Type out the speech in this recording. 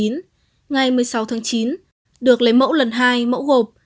ngày một mươi sáu tháng chín được lấy mẫu lần hai mẫu gộp